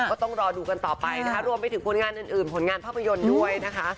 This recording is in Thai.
ก็ต้องรอดูกันต่อไปนะคะรวมไปถึงผลงานอื่นผลงานภาพยนตร์ด้วยนะคะ